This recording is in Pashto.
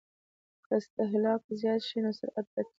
که اصطکاک زیات شي نو سرعت باید کم شي